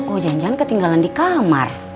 oh jangan jangan ketinggalan di kamar